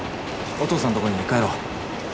お父さんの所に帰ろう。